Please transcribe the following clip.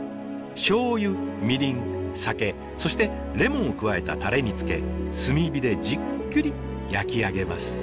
しょうゆみりん酒そしてレモンを加えたたれに漬け炭火でじっくり焼き上げます。